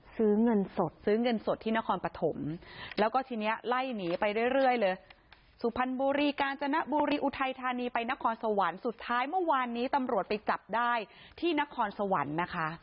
ซื้อเงินสดซื้อเงินสดที่นครปฐมแล้วก็ทีนี้ไล่หนีไปเรื่อยเลยสุพรรณบุรีกาญจนบุรีอุทัยธานีไปนครสวรรค์สุดท้ายเมื่อวานนี้ตำรวจไปจับได้ที่นครสวรรค์นะคะ